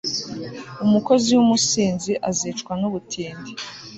umukozi w'umusinzi azicwa n'ubutindi